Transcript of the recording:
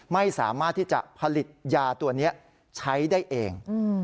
ไม่สามารถที่จะผลิตยาตัวนี้ใช้ได้เอง